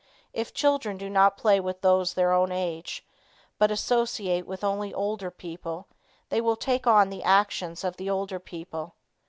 If children do not play with those their own age, but associate with only older people, they will take on the actions of the older people.